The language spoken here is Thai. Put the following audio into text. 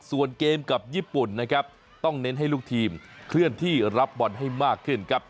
ส่วนเกมกับญี่ปุ่นนะครับต้องเน้นให้ลูกทีมเคลื่อนที่รับบอลให้มากขึ้นครับ